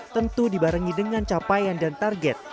tentu dibarengi dengan capaian dan target